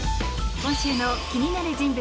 今週の気になる人物